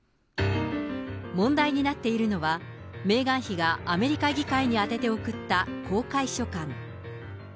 問題になっているのは、メーガン妃がアメリカ議会に宛てて送った公開書簡。